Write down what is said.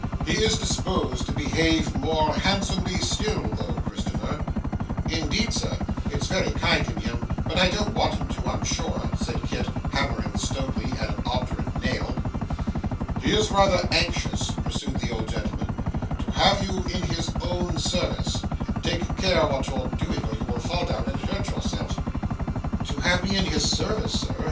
'He is disposed to behave more handsomely still, though, Christopher.' 'Indeed, Sir! It's very kind in him, but I don't want him to, I'm sure,' said Kit, hammering stoutly at an obdurate nail. 'He is rather anxious,' pursued the old gentleman, 'to have you in his own service take care what you're doing, or you will fall down and hurt yourself.' 'To have me in his service, Sir?